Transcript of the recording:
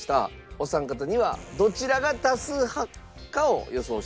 お三方にはどちらが多数派かを予想していただきます。